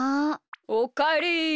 おかえり。